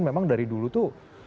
memang dari dulu itu